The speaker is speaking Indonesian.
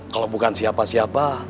kalau bukan siapa siapa